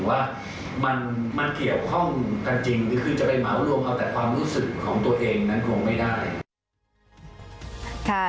ว่ามันเกี่ยวข้องกันจริงหรือคือจะไปเหมารวมเอาแต่ความรู้สึกของตัวเองนั้นคงไม่ได้